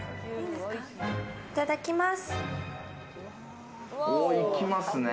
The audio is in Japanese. いただきます。